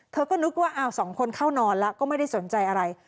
เธอก็นึกว่าสองคนเข้านอนแล้วก็ไม่ได้สนใจอะไร